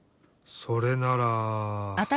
それなら。